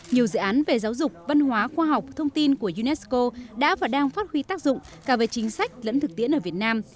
nhiều dự án về giáo dục văn hóa khoa học thông tin của unesco đã và đang phát huy tác dụng cả về chính sách lẫn thực tiễn ở việt nam